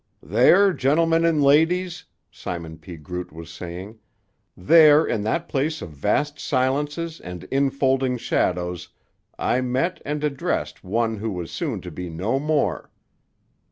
"There, gentlemen and ladies," Simon P. Groot was saying, "there in that place of vast silences and infolding shadows I met and addressed one who was soon to be no more.